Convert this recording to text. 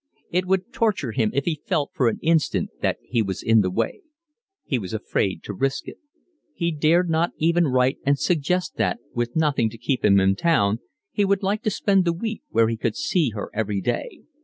It would torture him if he felt for an instant that he was in the way. He was afraid to risk it. He dared not even write and suggest that, with nothing to keep him in town, he would like to spend the week where he could see her every day.